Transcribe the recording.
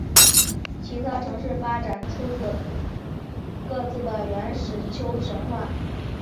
其他城市发展出各自的原始丘神话。